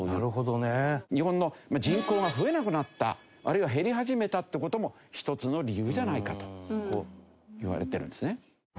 日本の人口が増えなくなったあるいは減り始めたって事も一つの理由じゃないかといわれてるんですね。